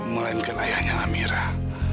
melainkan ayahnya amirah